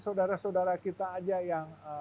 saudara saudara kita aja yang